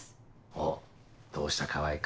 おっどうした川合君